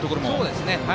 そうですね。